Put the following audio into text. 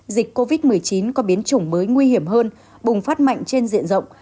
dịch covid một mươi chín có biến chủng mới nguy hiểm hơn bùng phát mạnh trên diện rộng